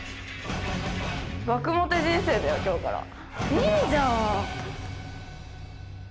いいじゃん！